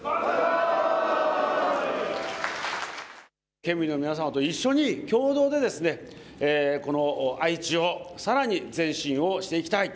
県民の皆様と一緒に共同でこの愛知をさらに前進をしていきたいと。